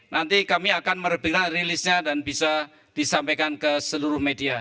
nanti kami akan merebutkan rilisnya dan bisa disampaikan ke seluruh media